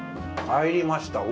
参りました。